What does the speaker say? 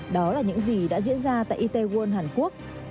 đó là những gì đã diễn ra tại itaewon hàn quốc